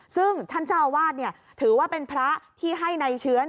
ซึ่งท่านเจ้าอาวาสถือว่าเป็นพระที่ให้ในเชื้อ